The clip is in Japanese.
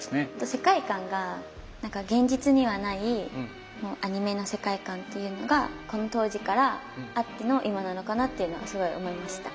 世界観が何か現実にはないアニメの世界観っていうのがこの当時からあっての今なのかなっていうのはすごい思いました。